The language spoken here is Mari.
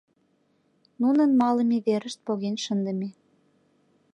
Нунын малыме верышт поген шындыме.